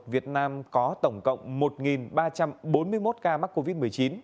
việt nam có tổng cộng một ba trăm bốn mươi một ca mắc covid một mươi chín